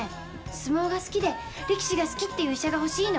相撲が好きで力士が好きっていう医者が欲しいの。